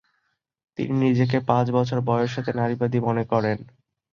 তিনি নিজেকে পাঁচ বছর বয়স হতে নারীবাদী মনে করেন।